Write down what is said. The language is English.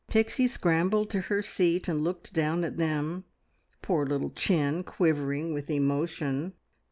Pixie scrambled to her seat and looked down at them, her poor little chin quivering with emotion.